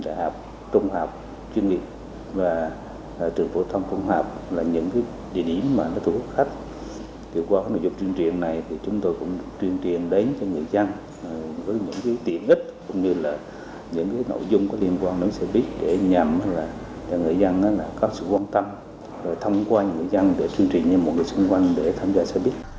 để nhằm cho người dân có sự quan tâm thăm quan người dân để chung trình với mọi người xung quanh để tham gia xe buýt